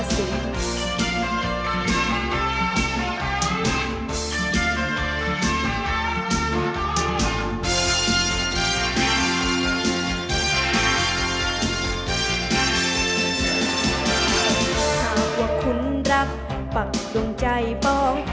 ฉันรับปรักดวงใจบ้อง